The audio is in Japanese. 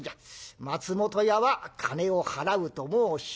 松本屋は金を払うと申しておる。